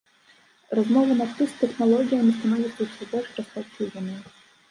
Размова на ты з тэхналогіямі становіцца ўсё больш распаўсюджанай.